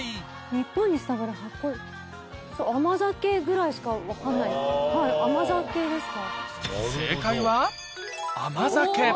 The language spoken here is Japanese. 日本に伝わる発酵。ぐらいしか分かんないはい甘酒ですか？